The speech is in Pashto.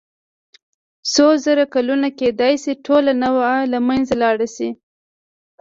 څو زره کلونه کېدای شي ټوله نوعه له منځه لاړه شي.